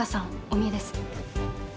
お見えです。